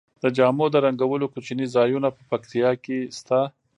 د جامو د رنګولو کوچني ځایونه په پکتیا کې شته.